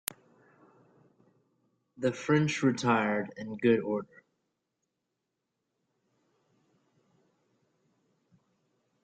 The French retired in good order.